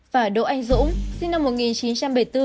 và đỗ anh dũng sinh năm một nghìn chín trăm bảy mươi bốn